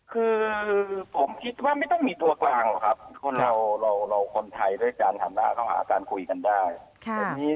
คือผมคิดว่าไม่ต้องมีตัวกลางหรอกครับคนเราเราคนไทยด้วยการฐานะเขาหาการคุยกันได้